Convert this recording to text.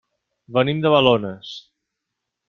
Venim de Balones.